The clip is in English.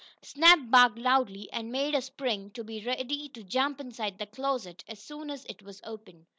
Snap barked loudly and made a spring, to be ready to jump inside the closet as soon as it was opened.